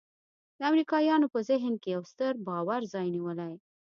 د امریکایانو په ذهن کې یو ستر باور ځای نیولی.